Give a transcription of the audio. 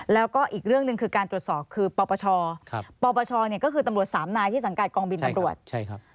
แล้วก็อีกเรื่องหนึ่งคือการตรวจสอบคือปปชปปชเนี่ยก็คือตำรวจสามนายที่สังกัดกองบินตำรวจใช่ครับ